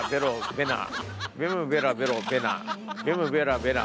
ベムベラベロベナベムベラベラ。